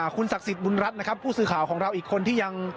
คุณศักดิ์สิทธิบุญรัฐนะครับผู้สื่อข่าวของเราอีกคนที่ยัง